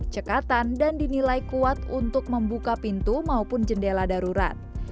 cekatan dan dinilai kuat untuk membuka pintu maupun jendela darurat